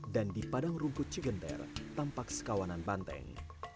dan di padang rumput cegender tampak sekawanan banteng